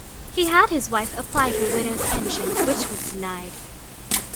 He had his wife apply for widow's pension, which was denied.